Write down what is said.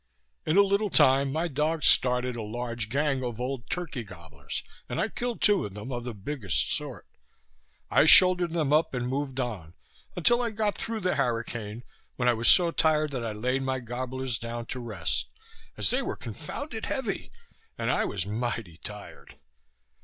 In a little time my dogs started a large gang of old turkey goblers, and I killed two of them, of the biggest sort. I shouldered them up, and moved on, until I got through the harricane, when I was so tired that I laid my goblers down to rest, as they were confounded heavy, and I was mighty tired.